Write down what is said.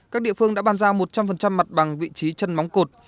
các địa phương đã bàn giao một trăm linh mặt bằng vị trí chân móng cột